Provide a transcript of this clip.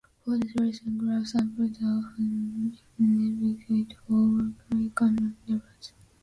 For this reason "grab" samples are often inadequate for fully quantifying contaminant levels.